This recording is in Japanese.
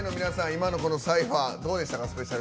今のサイファー、どうでした？